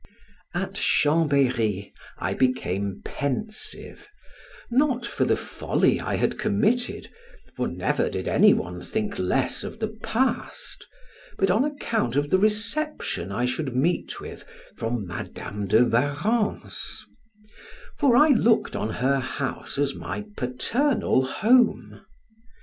At Chambery I became pensive; not for the folly I had committed, for never did any one think less of the past, but on account of the reception I should meet with from Madam de Warrens; for I looked on her house as my paternal home.